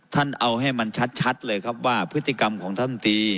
ท่านเอาให้มันชัดเลยครับว่าพฤติกรรมของท่านตี